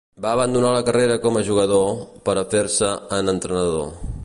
Va abandonar la carrera com a jugador, per a fer-se en entrenador.